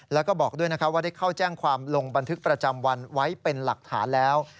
แล้วก็บอกด้วยว่าได้เข้าแจ้งความลงบันทึกประจำวันไว้เป็นหลักฐานแล้ว